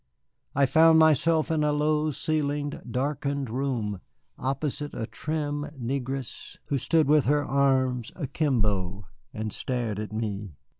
I found myself in a low ceiled, darkened room, opposite a trim negress who stood with her arms akimbo and stared at me.